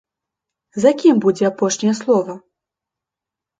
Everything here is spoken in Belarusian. За кім будзе апошняе слова?